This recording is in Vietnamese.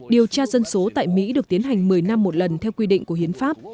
điều tra dân số tại mỹ được tiến hành một mươi năm một lần theo quy định của hiến pháp